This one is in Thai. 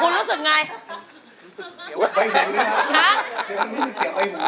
รู้สึกเสียงไปหนึ่งเลยครับ